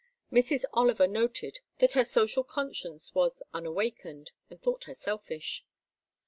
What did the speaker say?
Mrs. Oliver noted that her social conscience was unawakened, and thought her selfish.